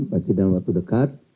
berarti dalam waktu dekat